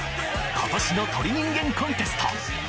・今年の『鳥人間コンテスト』